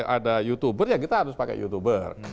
ada youtuber ya kita harus pakai youtuber